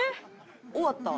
「終わった」